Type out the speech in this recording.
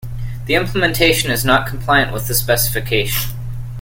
The implementation is not compliant with the specification.